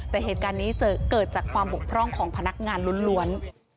แต่เหตุการณ์นี้เกิดจากความบกพร่องของพนักงานล้วน